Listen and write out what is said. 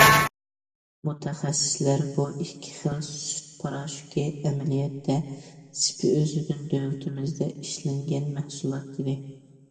مۇتەخەسسىسلەر بۇ ئىككى خىل سۈت پاراشوكى ئەمەلىيەتتە سېپى ئۆزىدىن دۆلىتىمىزدە ئىشلەنگەن مەھسۇلات، دېدى.